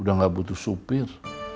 udah gak butuh supir